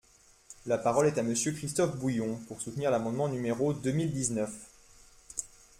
La parole est à Monsieur Christophe Bouillon, pour soutenir l’amendement numéro deux mille dix-neuf.